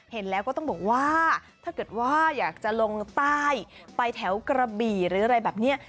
เห็นแล้วก็ต้องบอกว่าถ้าเกิดว่าอยากจะลงใต้ไปแถวกระบี่หรืออะไรแบบนี้